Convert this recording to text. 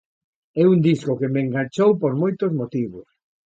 É un disco que me enganchou por moitos motivos.